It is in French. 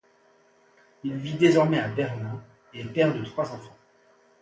Il vit désormais à Berlin et est père de trois enfants.